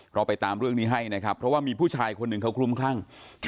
เราไปตามเรื่องนี้ให้นะครับเพราะว่ามีผู้ชายคนหนึ่งเขาคลุ้มคลั่ง